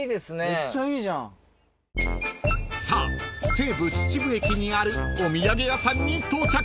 西武秩父駅にあるお土産屋さんに到着］